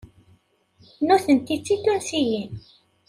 Nutenti d Titunsiyin.